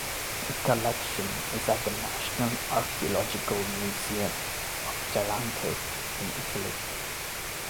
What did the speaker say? The collection is at the National Archaeological Museum of Taranto in Italy.